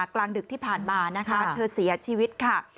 กลางดึกที่ผ่านมานะคะเธอเสียชีวิตค่ะ